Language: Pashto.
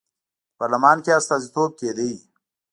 په پارلمان کې یې استازیتوب کېده.